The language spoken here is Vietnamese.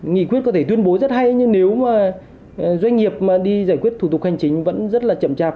nghị quyết có thể tuyên bố rất hay nhưng nếu mà doanh nghiệp mà đi giải quyết thủ tục hành chính vẫn rất là chậm chạp